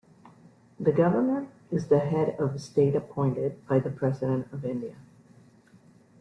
The Governor is the head of state appointed by the President of India.